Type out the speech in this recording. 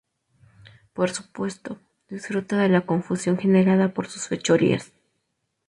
Por supuesto, disfruta de la confusión generada por sus fechorías.